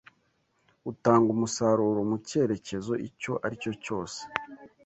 utanga umusaruro mu cyerekezo icyo ari cyo cyose